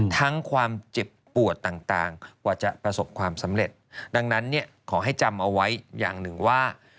ความเจ็บปวดต่างกว่าจะประสบความสำเร็จดังนั้นเนี่ยขอให้จำเอาไว้อย่างหนึ่งว่า